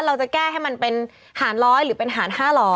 เราจะแก้ให้มันเป็นหารร้อยหรือเป็นหารห้าร้อย